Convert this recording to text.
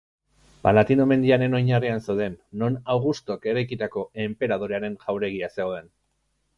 Palatino mendiaren oinarrian zeuden, non Augustok eraikitako enperadorearen jauregia zegoen.